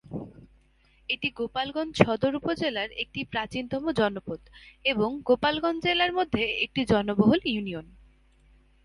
এটি গোপালগঞ্জ সদর উপজেলার একটি প্রাচীনতম জনপদ এবং গোপালগঞ্জ জেলার মধ্যে একটি জনবহুল ইউনিয়ন।